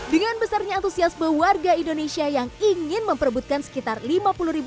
dengan besarnya antusiasme warga indonesia yang ingin memperbutkan sekitar rp lima puluh ribu